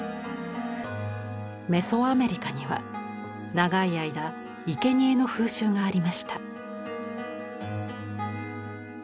メソアメリカには長い間いけにえの風習がありました。